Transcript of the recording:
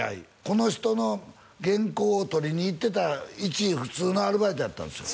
この人の原稿を取りに行ってた一普通のアルバイトやったんですよ